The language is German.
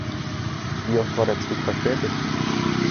Wie oft war der Zug verspätet?